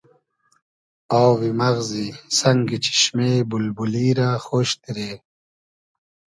آوی مئغزی سئنگی چیشمې بولبولی رۂ خۉش دیرې